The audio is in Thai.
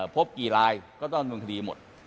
พบกี่ลายก็ต้องดำเนินคดีหมด